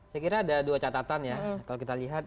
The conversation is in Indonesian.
saya kira ada dua catatan ya kalau kita lihat